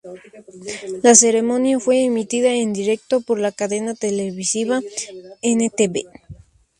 La ceremonia fue emitida en directo por la cadena televisiva N-tv.